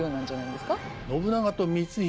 信長と光秀